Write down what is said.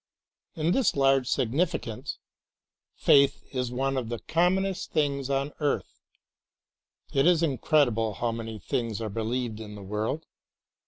In this large significance, faith is one of the common est things on earth. It is incredible how many things are believed in the world.